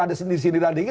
ada sendiri sendiri lagi